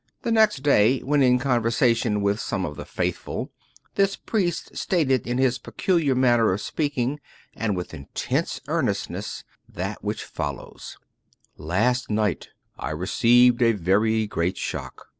The next day, when in conversation with some of the " faithful," this "priest" stated in his peculiar manner of speaking, and with intense earnestness, that which follows :" Last night I received a very great shock.